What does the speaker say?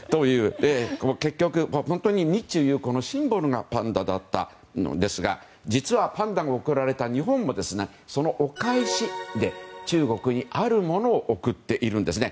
結局、日中友好のシンボルがパンダだったんですが実はパンダが贈られた日本もそのお返しで中国にあるものを贈っているんですね。